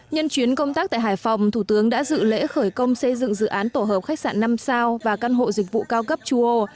nhân chuyến công tác tại hải phòng thủ tướng đã dự lễ khởi công xây dựng dự án tổ hợp khách sạn năm sao và căn hộ dịch vụ cao cấp châu âu